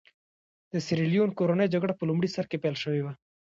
د سیریلیون کورنۍ جګړه په لومړي سر کې پیل شوې وه.